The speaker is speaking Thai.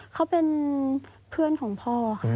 เขาเป็นเพื่อนของพ่อค่ะ